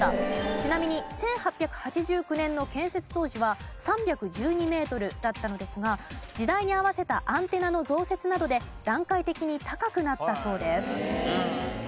ちなみに１８８９年の建設当時は３１２メートルだったのですが時代に合わせたアンテナの増設などで段階的に高くなったそうです。